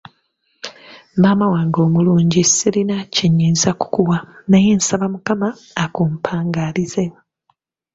Maama wange omulungi ssirina kye nnyinza kukuwa naye nsaba Mukama akumpangaalize!